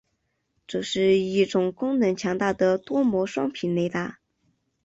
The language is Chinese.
这是一种功能强大的多模双频雷达。